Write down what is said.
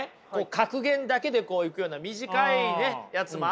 格言だけでこういくような短いやつもあるんですよ。